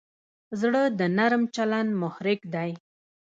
زړه د نرم چلند محرک دی.